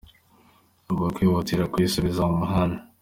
Ubu turi kwihutira kuyisubiza mu muhanda.